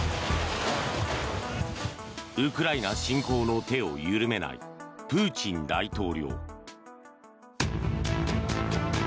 ウクライナ侵攻の手を緩めないプーチン大統領。